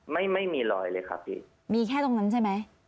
ไม่มีรอยเลยครับพี่มีแค่ตรงนั้นใช่ไหม